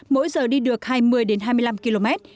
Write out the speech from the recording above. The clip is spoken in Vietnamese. mỗi giờ đi được hai mươi hai mươi năm km